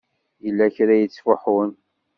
Yella kra i d-yettfuḥun.